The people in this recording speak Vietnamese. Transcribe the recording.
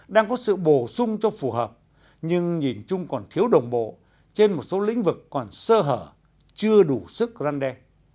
đang có sự bổ sung cho phù hợp nhưng nhìn chung còn thiếu đồng bộ trên một số lĩnh vực còn sơ hở chưa đủ sức răn đe